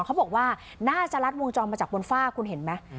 เขาบอกว่าน่าจะรัดวงจรมาจากบนฝ้าคุณเห็นไหม